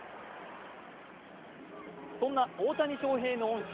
そんな大谷翔平の恩師